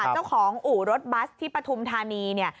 เจ้าของอู่รถบัสที่ปฐุมธานีเนี่ย